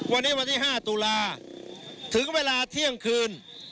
วันนี้วันที่๕ตุลาถึงเวลาเที่ยงคืน